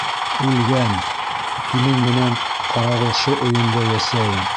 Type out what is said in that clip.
Үлгән! һинең менән, ҡарауылшы өйөндә йәсәйем!